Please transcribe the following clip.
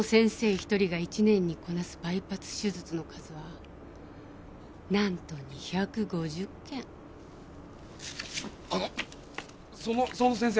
一人が１年にこなすバイパス手術の数はなんと２５０件その先生